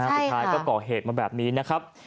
สุดท้ายก็ก่อเหตุมาแบบนี้นะครับ